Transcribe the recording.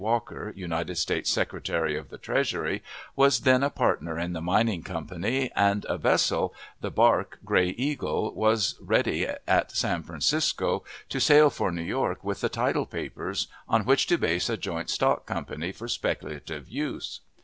Walker, United States Secretary of the Treasury, was then a partner in this mining company; and a vessel, the bark Gray Eagle, was ready at San Francisco to sail for New York with the title papers on which to base a joint stock company for speculative uses.